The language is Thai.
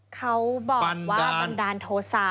เขาบอกว่าบันดาลโทษะ